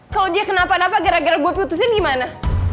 kalo dia kenapa napa gara gara gue putusin gimana